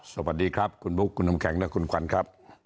สวัสดีครับคุณบุ๊คคุณน้ำแข็งและคุณขวัญครับ